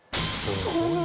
すごい！